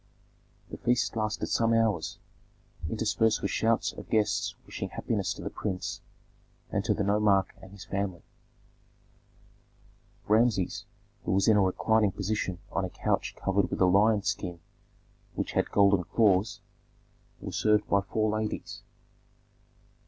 The feast lasted some hours, interspersed with shouts of guests wishing happiness to the prince, and to the nomarch and his family. Rameses, who was in a reclining position on a couch covered with a lion's skin which had golden claws, was served by four ladies.